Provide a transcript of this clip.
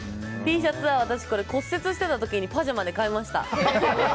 Ｔシャツは私が骨折してた時にパジャマで買いました。